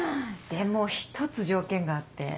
でも１つ条件があって。